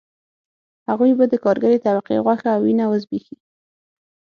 هغوی به د کارګرې طبقې غوښه او وینه وزبېښي